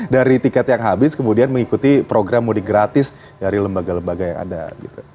dari tiket yang habis kemudian mengikuti program mudik gratis dari lembaga lembaga yang ada gitu